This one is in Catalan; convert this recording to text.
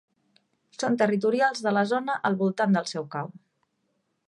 Són territorials de la zona al voltant del seu cau.